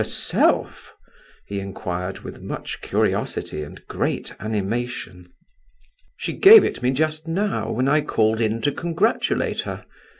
Herself?" he inquired, with much curiosity and great animation. "She gave it me just now, when I called in to congratulate her.